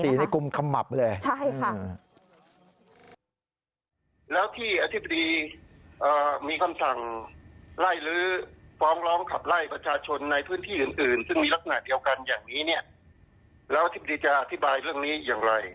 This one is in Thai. ที่๔ในกรุมขมับเลย